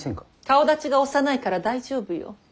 顔だちが幼いから大丈夫よ。